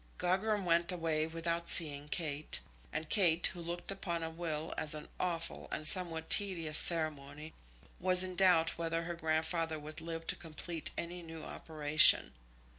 Gogram went away without seeing Kate; and Kate, who looked upon a will as an awful and somewhat tedious ceremony, was in doubt whether her grandfather would live to complete any new operation.